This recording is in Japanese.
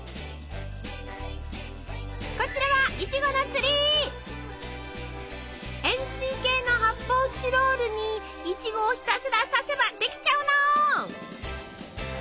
こちらは円すい形の発泡スチロールにいちごをひたすら刺せばできちゃうの！